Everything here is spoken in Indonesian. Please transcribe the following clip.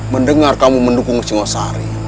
mendengar kamu mendukung singo sehari